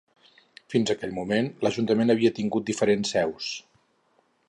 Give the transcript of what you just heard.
Fins aquell moment l’ajuntament havia tingut diferents seus.